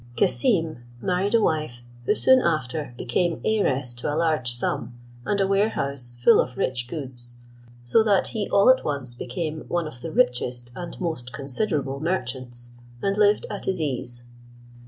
Cassim married a wife who soon after became heiress to a large sum, and a warehouse full of rich goods; so that he all at once became one of the richest and most considerable merchants, and lived at his ease.